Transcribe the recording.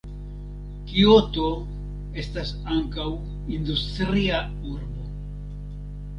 Kioto estas ankaŭ industria urbo.